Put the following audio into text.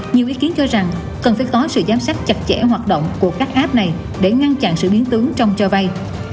nhiều ý kiến cho rằng cần phải có sự giám sát chặt chẽ hoạt động của các app này để ngăn chặn sự biến tướng trong cho vay